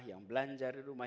yang belanja di rumah